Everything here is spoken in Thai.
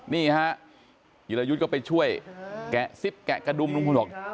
นี่ฮะหยุดก็ไปช่วยแกะซิบแกะกระดุมลุงพลบ